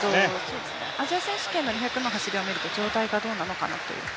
アジア選手権の２００の走りを見ると状態がどうなのかなという。